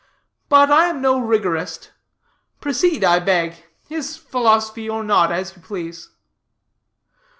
But I am no rigorist; proceed, I beg; his philosophy or not, as you please."